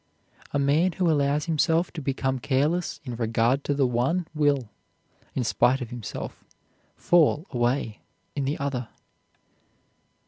A man who allows himself to become careless in regard to the one will, in spite of himself, fall away in the other.